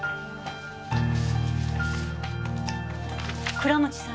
倉持さん